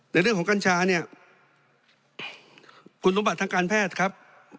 ในเรื่องของกัญชาเนี่ยคุณสมบัติทางการแพทย์ครับ